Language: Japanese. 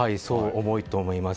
重いと思います。